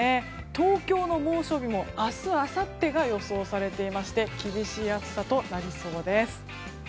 東京の猛暑日も明日あさってが予想されていまして厳しい暑さとなりそうです。